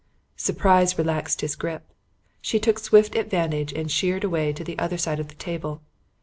Surprise relaxed his grip. She took swift advantage and sheered away to the other side of the table.